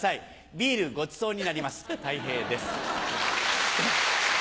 ビールごちそうになりますたい平です。